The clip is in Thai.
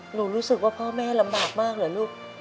รู้สึกว่าพ่อแม่ลำบากมากเหรอลูก